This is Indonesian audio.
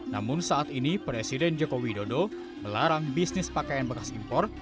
namun saat ini presiden joko widodo melarang bisnis pakaian bekas impor